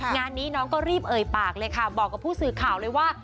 งานนี้น้องก็รีบเอ่ยปากเลยค่ะบอกกับผู้สื่อข่าวเลยว่า